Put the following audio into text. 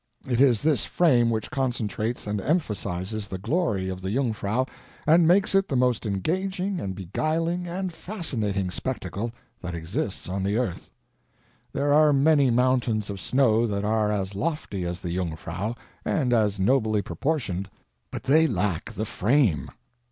It is this frame which concentrates and emphasizes the glory of the Jungfrau and makes it the most engaging and beguiling and fascinating spectacle that exists on the earth. There are many mountains of snow that are as lofty as the Jungfrau and as nobly proportioned, but they lack the frame.